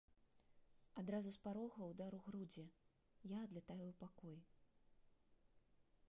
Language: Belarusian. Адразу з парога ўдар у грудзі, я адлятаю ў пакой.